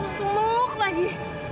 langsung meluk lagi